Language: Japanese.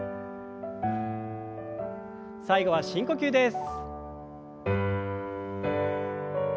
最後は深呼吸です。